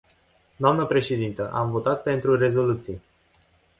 Dnă președintă, am votat pentru rezoluție.